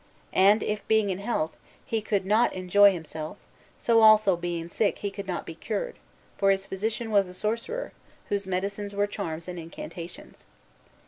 And if, being in health, he could not enjoy himself, so also, being sick, he could not be cured; for his physician was a sorcerer, whose medicines were charms and incantations.